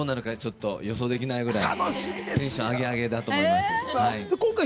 自分でも予想できないぐらいテンションアゲアゲだと思います。